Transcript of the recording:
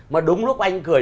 mà đúng lúc anh cười